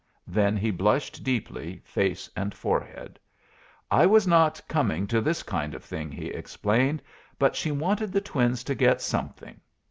Then he blushed deeply, face and forehead. "I was not coming to this kind of thing," he explained. "But she wanted the twins to get something."